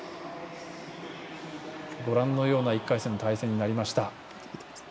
ご覧のような１回戦の対戦になりました。